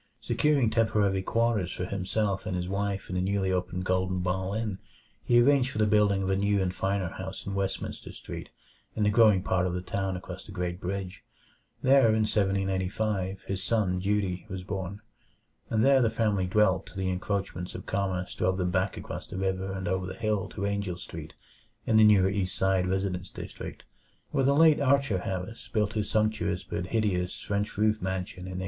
Securing temporary quarters for himself and his wife at the newly opened Golden Ball Inn, he arranged for the building of a new and finer house in Westminster Street, in the growing part of the town across the Great Bridge. There, in 1785, his son Dutee was born; and there the family dwelt till the encroachments of commerce drove them back across the river and over the hill to Angell Street, in the newer East Side residence district, where the late Archer Harris built his sumptuous but hideous French roofed mansion in 1876.